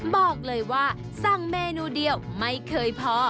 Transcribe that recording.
บอกเลยว่าสั่งเมนูเดียวไม่เคยพอ